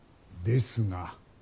ですが